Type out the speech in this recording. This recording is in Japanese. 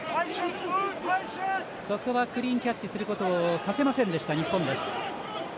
ここはクリーンキャッチさせることをさせませんでした日本。